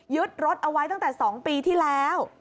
รถเอาไว้ตั้งแต่๒ปีที่แล้ว